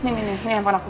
ini ini ini handphone aku